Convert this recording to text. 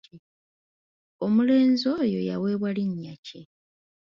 Omulenzi oyo yaweebwa linnya ki ?